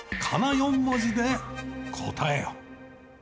４文字で答えよ。